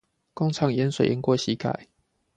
工廠淹水淹過膝蓋